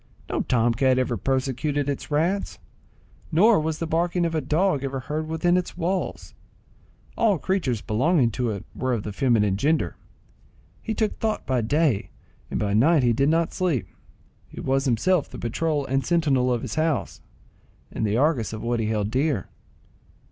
No tom cat ever persecuted its rats, nor was the barking of a dog ever heard within its walls; all creatures belonging to it were of the feminine gender. He took thought by day, and by night he did not sleep; he was himself the patrol and sentinel of his house, and the Argus of what he held dear.